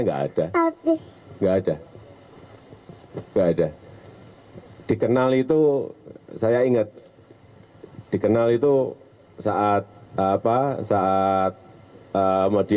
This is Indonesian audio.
yang menghormati yang menghormati